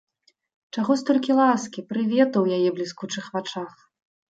Чаго столькі ласкі, прывету ў яе бліскучых вачах?